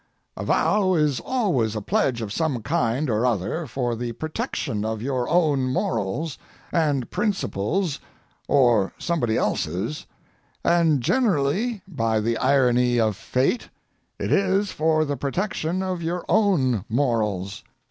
A vow is always a pledge of some kind or other for the protection of your own morals and principles or somebody else's, and generally, by the irony of fate, it is for the protection of your own morals.